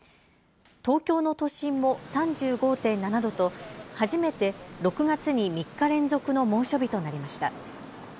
東京の都心も３５．７度と初めて６月に３日連続の猛暑日となりました。